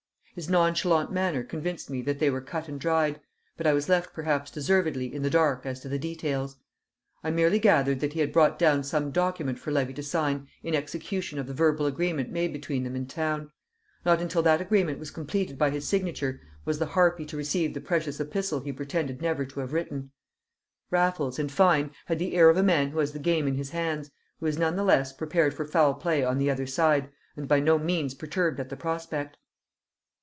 His nonchalant manner convinced me that they were cut and dried; but I was left perhaps deservedly in the dark as to the details. I merely gathered that he had brought down some document for Levy to sign in execution of the verbal agreement made between them in town; not until that agreement was completed by his signature was the harpy to receive the precious epistle he pretended never to have written. Raffles, in fine, had the air of a man who has the game in his hands, who is none the less prepared for foul play on the other side, and by no means perturbed at the prospect.